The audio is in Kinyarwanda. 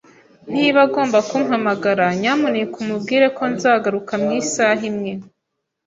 Niba agomba kumpamagara, nyamuneka umubwire ko nzagaruka mu isaha imwe.